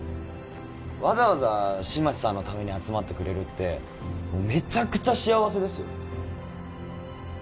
わざわざ新町さんのために集まってくれるってめちゃくちゃ幸せですよ